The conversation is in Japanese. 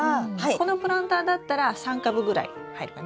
このプランターだったら３株ぐらい入るかな。